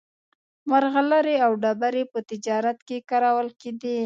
مرغلرې او ډبرې په تجارت کې کارول کېدې.